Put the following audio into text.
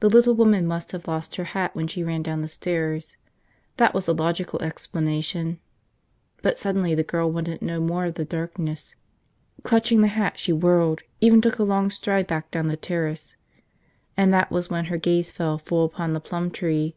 The little woman must have lost her hat when she ran down the stairs. That was the logical explanation. But suddenly the girl wanted no more of the darkness. Clutching the hat she whirled, even took a long stride back down the terrace. And that was when her gaze fell full upon the plum tree.